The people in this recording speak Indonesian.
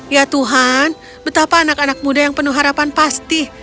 ya tuhan betapa anak anak muda yang penuh harapan pasti